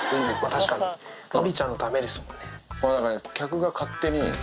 確かに、のりちゃんのためですもんね。